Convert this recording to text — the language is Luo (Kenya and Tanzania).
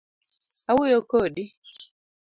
Awuoyo kodi .